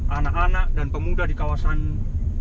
anak anak dan pemuda di kawasan ini kemudian dikontrol